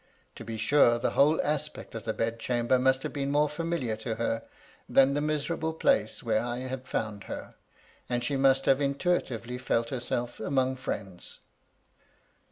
To be sure, the whole aspect of the bed chamber must have been more familiar to her than the miserable place where I had found her, and she must have intuitively felt herself among friends.